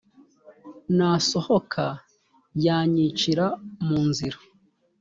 nasohoka yanyicira mu nzira